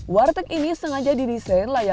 warteg ini sebuah jalan yang berbeda